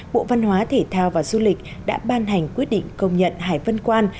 bộ văn hóa thể thao và du lịch đã ban hành quyết định công nhận hải vân quan